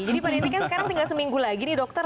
jadi pada intinya sekarang tinggal seminggu lagi nih dokter